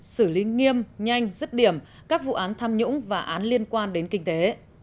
xử lý nghiêm nhanh rứt điểm các vụ án tham nhũng và án liên quan đến kinh tế